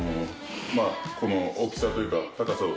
この大きさというか。